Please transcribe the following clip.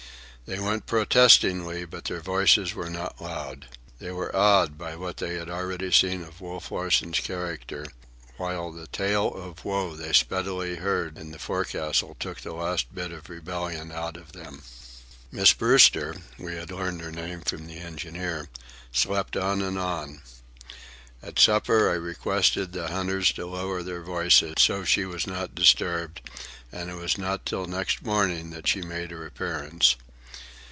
They went protestingly, but their voices were not loud. They were awed by what they had already seen of Wolf Larsen's character, while the tale of woe they speedily heard in the forecastle took the last bit of rebellion out of them. Miss Brewster—we had learned her name from the engineer—slept on and on. At supper I requested the hunters to lower their voices, so she was not disturbed; and it was not till next morning that she made her appearance.